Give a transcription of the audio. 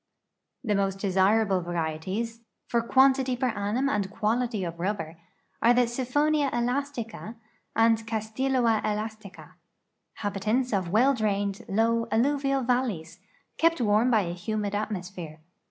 The most desirable varieties for quantity per annum and quality of rubber are ihe SV;)/j(m/ae/a«^"ca and Caddloa el/isUca, hahitanii^ of well drained, low, alluvial val leys, kept warm by a humid atmosphere.